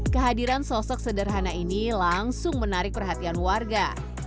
kehadiran sosok sederhana ini langsung menarik perhatian warga